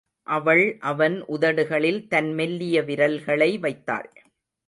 அவள் அவன் உதடுகளில் தன் மெல்லிய விரல்களை வைத்தாள்.